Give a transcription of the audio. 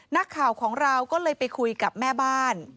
นักข่าวของเราก็เลยไปคุยกับแม่บ้าน